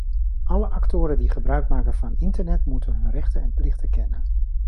Alle actoren die gebruik maken van internet moeten hun rechten en plichten kennen.